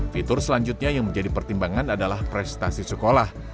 fitur selanjutnya yang menjadi pertimbangan adalah prestasi sekolah